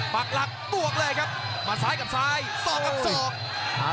ปากหลักบวกเลยครับมาซ้ายกับซ้ายสอกกับศอก